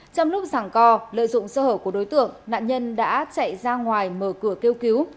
trong lúc giảng co lợi dụng sơ hở của đối tượng nạn nhân đã chạy ra ngoài mở cửa kêu cứu